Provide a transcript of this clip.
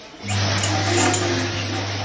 چي اولسونه ځانته بلا سي ..